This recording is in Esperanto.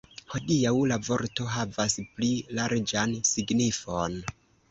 Hodiaŭ, la vorto havas pli larĝan signifon.